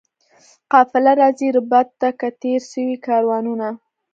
قافله راځي ربات ته که تېر سوي کاروانونه؟